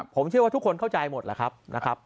ผมเชื่อว่าทุกคนเข้าใจหมดละครับ